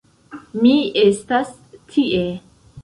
Mi estas tie!